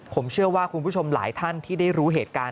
ผมเชื่อว่าคุณผู้ชมหลายท่านที่ได้รู้เหตุการณ์